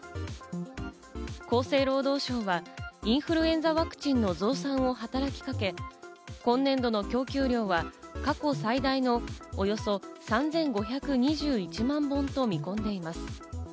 厚生労働省はインフルエンザワクチンの増産を働きかけ、今年度の供給量は過去最大のおよそ３５２１万本と見込んでいます。